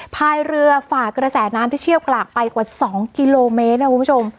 พายเรือฝ่ากระแสน้ำที่เชี่ยวกลากไปกว่า๒กิโลเมตรนะคุณผู้ชม